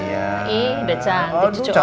ih udah cantik cucu mama